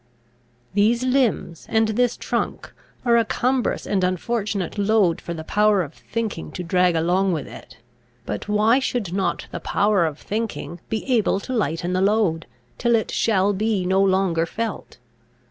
These limbs, and this trunk, are a cumbrous and unfortunate load for the power of thinking to drag along with it; but why should not the power of thinking be able to lighten the load, till it shall be no longer felt?